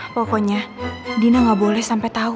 pokoknya dina gak boleh sampai tahu